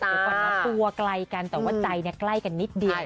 ตัวไกลกันแต่ว่าใจเนี่ยใกล้กันนิดเดียว